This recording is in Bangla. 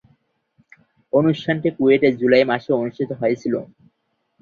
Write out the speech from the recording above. অনুষ্ঠানটি কুয়েটে জুলাই মাসে অনুষ্ঠিত হয়েছিলো।